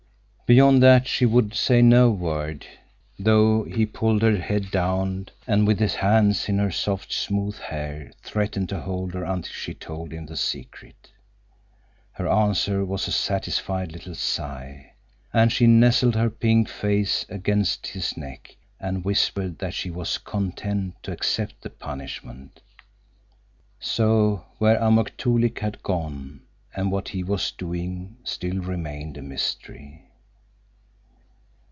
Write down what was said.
Beyond that she would say no word, though he pulled her head down, and with his hands in her soft, smooth hair threatened to hold her until she told him the secret. Her answer was a satisfied little sigh, and she nestled her pink face against his neck, and whispered that she was content to accept the punishment. So where Amuk Toolik had gone, and what he was doing, still remained a mystery.